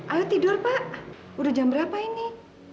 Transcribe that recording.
ayo tidur pak udah jam berapa ini